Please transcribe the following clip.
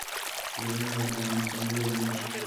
زغم د انساني ودې نښه ده